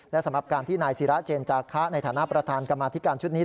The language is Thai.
และสำหรับการที่นายศิราเจนจาคะในฐานะประธานกรรมาธิการชุดนี้